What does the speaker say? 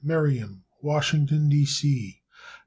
Merrill, Washington, D. C. Dr.